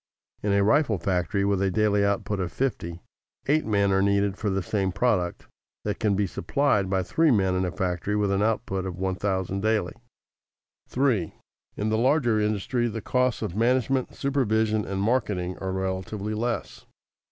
In a rifle factory with a daily output of fifty, eight men are needed for the same product that can be supplied by three men in a factory with an output of one thousand daily. [Sidenote: Miscellaneous economies] 3. _In the larger industry the costs of management, supervision, and marketing are relatively less.